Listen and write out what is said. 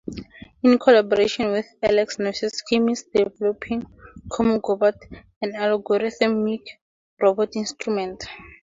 In collaboration with Alex Noyes Kim is developing "komungobot", an algorithmic robotic instrument.